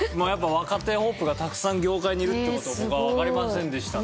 若手ホープがたくさん業界にいるって事を僕はわかりませんでした。